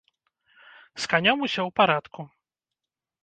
З канём усё ў парадку.